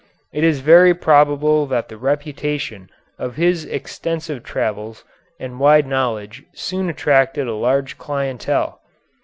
It is very probable that the reputation of his extensive travels and wide knowledge soon attracted a large clientele.